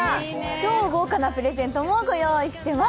超豪華なプレゼントもご用意しています。